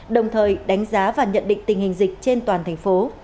đồng thời đánh giá và nhận định tình hình dịch trên toàn thành phố